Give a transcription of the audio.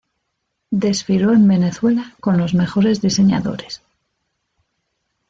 Desfiló en Venezuela con los mejores diseñadores.